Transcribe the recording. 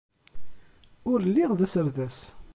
Ur lliɣ d aserdas.